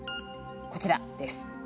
こちらです。